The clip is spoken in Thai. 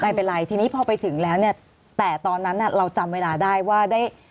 ไม่เป็นไรที่นี้พอไปถึงนะแต่ตอนนั้นเราจำเวลาได้ว่า